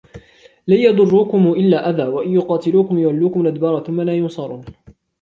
لن يضروكم إلا أذى وإن يقاتلوكم يولوكم الأدبار ثم لا ينصرون